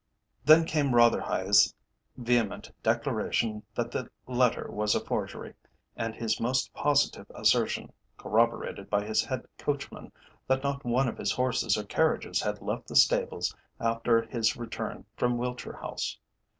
Then came Rotherhithe's vehement declaration that the letter was a forgery, and his most positive assertion, corroborated by his head coachman, that not one of his horses or carriages had left the stables after his return from Wiltshire House.